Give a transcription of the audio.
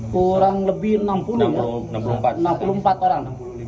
kurang lebih enam puluh empat orang